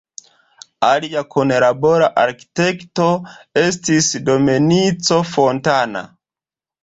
Alia kunlabora arkitekto estis Domenico Fontana.